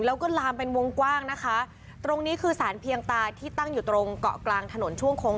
แล้วก็ลามเป็นวงกว้างนะคะตรงนี้คือสารเพียงตาที่ตั้งอยู่ตรงเกาะกลางถนนช่วงโค้ง